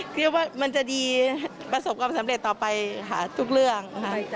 คิดว่ามันจะดีประสบความสำเร็จต่อไปค่ะทุกเรื่องค่ะ